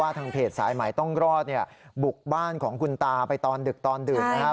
ทางเพจสายใหม่ต้องรอดเนี่ยบุกบ้านของคุณตาไปตอนดึกตอนดื่นนะครับ